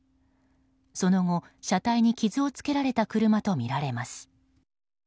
その後、車体に傷つけられた車とみられます。